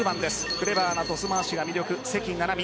クレイバーなトス回しが魅力関菜々巳。